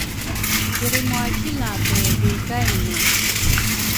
Kirimwa silape luikay inu?